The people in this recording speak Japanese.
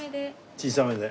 小さめで。